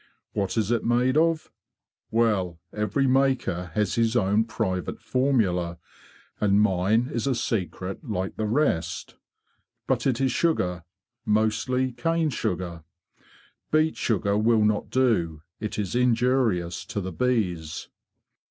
What is it made of? Well, every maker has his own private formula, and mine is a secret like the rest. But it is sugar, mostly—cane sugar. Beet sugar will not do; it is injurious to the bees.